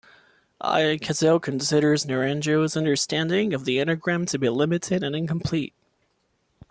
Ichazo considers Naranjo's understanding of the Enneagram to be limited and incomplete.